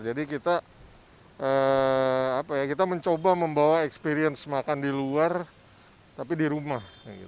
jadi kita mencoba membawa experience makan di luar tapi di rumah